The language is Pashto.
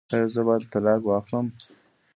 ایا زه باید طلاق واخلم؟